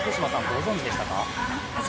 ご存じでしたか？